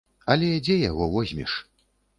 Але дзе яго возьмеш?